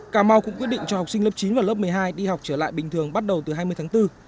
cà mau cũng quyết định cho học sinh lớp chín và lớp một mươi hai đi học trở lại bình thường bắt đầu từ hai mươi tháng bốn